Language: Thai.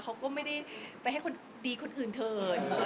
เขาก็ไม่ได้ไปให้คนดีคนอื่นเถิด